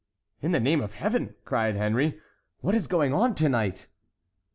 "In the name of Heaven," cried Henry; "what is going on to night?"